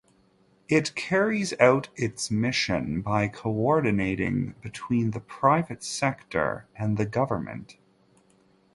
It carries out its mission by coordinating between the private sector and the government.